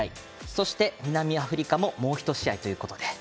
そして南アフリカももう１試合ということで。